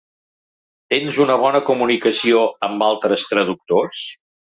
Tens una bona comunicació amb altres traductors?